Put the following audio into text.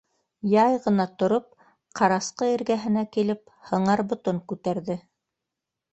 Яй ғына тороп, ҡарасҡы эргәһенә килеп, һыңар ботон күтәрҙе.